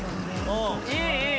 ・いいいい！